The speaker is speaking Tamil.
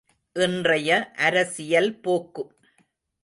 இன்றைய அரசியல் போக்கு!